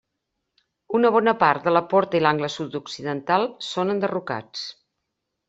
Una bona part de la porta i l'angle sud- occidental són enderrocats.